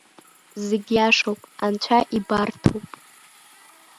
Зегь иашоуп, анцәа ибарҭоуп!